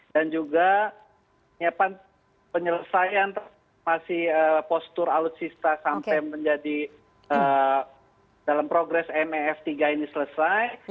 dan juga penyelesaian postur alutsista sampai menjadi dalam progres mef tiga ini selesai